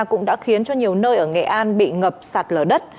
cũng đã khiến cho nhiều nơi ở nghệ an bị ngập sạt lở đất